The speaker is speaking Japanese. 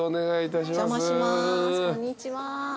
こんにちは。